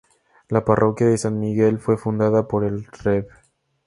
La parroquia de San Miguel fue fundada por el Rev.